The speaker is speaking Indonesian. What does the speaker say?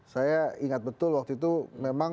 saya ingat betul waktu itu memang